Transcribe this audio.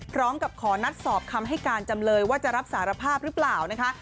พร้อมกับขอนัดสอบคำให้การจำเลยว่าจะรับสารภาพหรือเปล่านะคะ